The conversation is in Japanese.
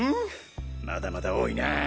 まだまだ多いな。